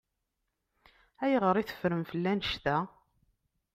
Ayɣer i teffrem fell-i annect-a?